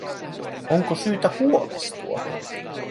Onko syytä huolestua?